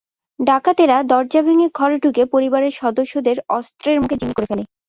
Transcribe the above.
ডাকাতেরা দরজা ভেঙে ঘরে ঢুকে পরিবারের সদস্যদের অস্ত্রের মুখে জিম্মি করে ফেলে।